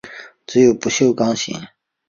只有不锈钢型。